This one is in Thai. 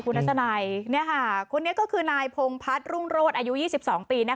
คุณทัศนัยคนนี้ก็คือนายพงพัฒน์รุ่งโรศอายุ๒๒ปี